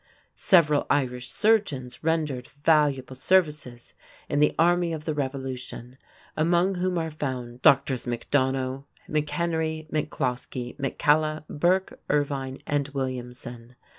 Several Irish surgeons rendered valuable services in the army of the Revolution, among whom are found Drs. McDonough, McHenry, McCloskey, McCalla, Burke, Irvine, and Williamson.